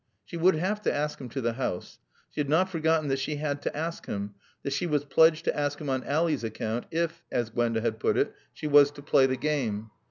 She would have to ask him to the house. She had not forgotten that she had to ask him, that she was pledged to ask him on Ally's account if, as Gwenda had put it, she was to play the game.